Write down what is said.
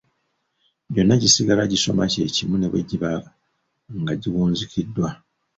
Gyonna gisigala gisoma kye kimu ne bwe giba nga giwunzikiddwa.